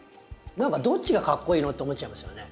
何かどっちがかっこイイのって思っちゃいますよね。